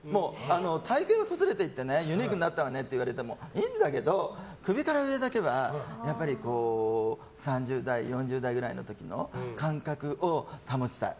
体形は崩れていってユニークになったわねって言われてもいいんだけど、首から上だけはやっぱり３０代４０代くらいの時の感覚を保ちたい。